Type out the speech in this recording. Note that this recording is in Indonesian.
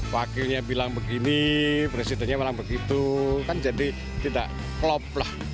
wakilnya bilang begini presidennya bilang begitu kan jadi tidak klop lah